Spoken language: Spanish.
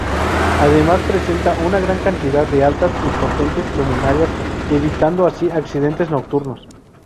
Además, presenta una gran cantidad de altas y potentes luminarias, evitando así, accidentes nocturnos.